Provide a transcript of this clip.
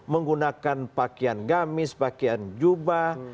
menggunakan pakaian gamis pakaian jubah